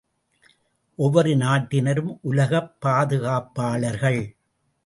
ஒவ்வொரு நாட்டினரும் உலகப் பாதுகாப்பாளர்கள்!